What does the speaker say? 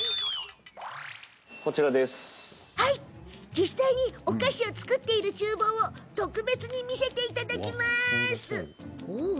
実際にお菓子を作っているちゅう房を特別に見せていただきます。